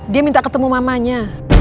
dia minta ketemu mamanya